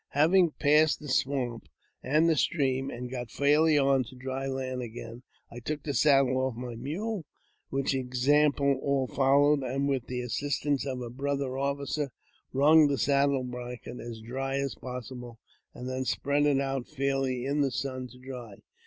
Having passed the swamp and the stream, and got fairly on to dry land again, I took the saddle off my mule, which example all followed, and, with the assistance of a brother officer, wrung the saddle blanket as dry as possible, and then spread it out fairly in the sun to dry.